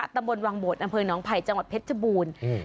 ตำบลวังโบดอำเภิกหนองไผ่จังหวัดเพชรชะบุญ